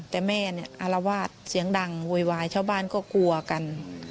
แต่แม่เนี่ยอารวาสเสียงดังโวยวายชาวบ้านก็กลัวกัน